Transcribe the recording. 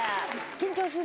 緊張する？